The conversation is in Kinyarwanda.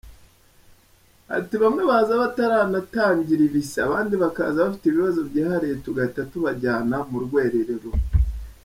Ati “bamwe baza bataranatangira ibise, abandi bakaza bafite ibibazo byihariye tugahita tubajyana mu rwererero.”